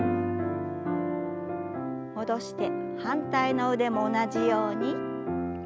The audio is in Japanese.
戻して反対の腕も同じように。